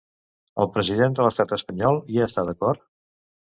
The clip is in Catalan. El president de l'estat espanyol hi està d'acord?